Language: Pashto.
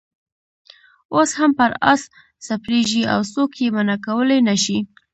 اوس هم پر آس سپرېږي او څوک یې منع کولای نه شي.